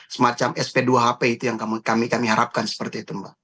semacam sp dua hp itu yang kami harapkan seperti itu mbak